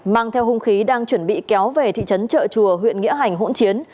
mang theo hung khí đang chuẩn bị kéo về thị trấn trợ chùa huyện nghĩa hành hỗn chiến